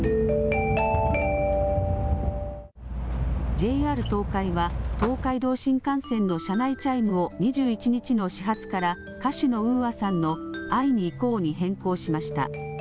ＪＲ東海は東海道新幹線の車内チャイムを２１日の始発から歌手のＵＡさんの会いにいこうに変更しました。